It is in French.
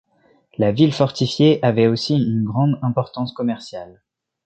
La ville fortifiée avait aussi une grande importance commerciale.